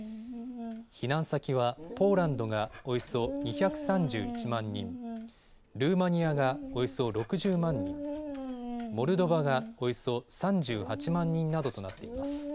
避難先はポーランドがおよそ２３１万人、ルーマニアがおよそ６０万人、モルドバがおよそ３８万人などとなっています。